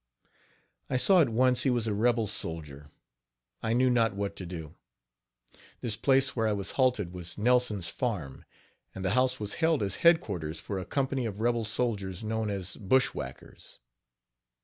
" I saw at once he was a rebel soldier. I knew not what to do. This place where I was halted was Nelson's farm, and the house was held as headquarters for a company of rebel soldiers, known as bushwhackers.